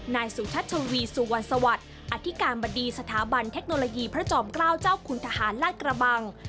นายสุชัชวีสุวรรณสวัสดิ์อธิการบดีสถาบันเทคโนโลยีพระจอมเกล้าเจ้าคุณทหารลาดกระบัง